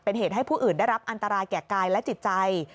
เป็นเหตุให้ผู้อื่นได้รับอันตรายแก่กายและจิตใจ